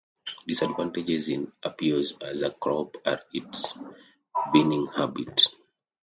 Disadvantages in Apios as a crop are its vining habit.